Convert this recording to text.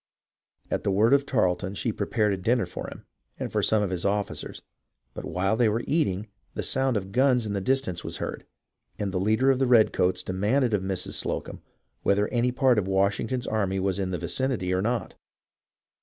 At the word of Tarleton she prepared a dinner for him and for some of his officers, but while they were eating, the sound of guns in the distance was heard, and the leader of the redcoats demanded of Mrs. Slocumb whether any part of Washington's army was in the vicinity or not.